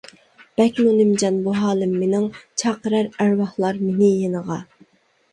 بەكمۇ نىمجان بۇ ھالىم مىنىڭ، چاقىرار ئەرۋاھلار مېنى يېنىغا.